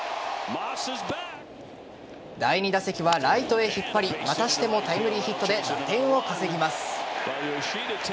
第２打席はライトへ引っ張りまたしてもタイムリーヒットで打点を稼ぎます。